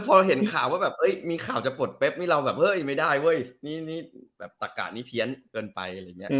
พอเห็นข่าวมีข่าวจะปลดเป๊บว่าเราไม่ได้หนิก็แอบตะกะนี้เพี้ยนเกินไป